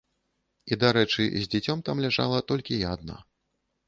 І дарэчы, з дзіцем там ляжала толькі я адна.